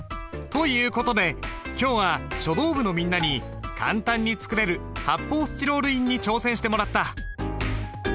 という事で今日は書道部のみんなに簡単に作れる発泡スチロール印に挑戦してもらった。